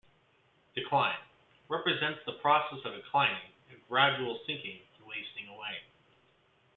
"Decline" represents the process of declining, a gradual sinking and wasting away.